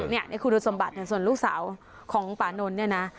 ในคุณสมบัติส่วนลูกสาวของปานนท์เนี่ยนะ